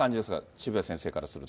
渋谷先生からすると。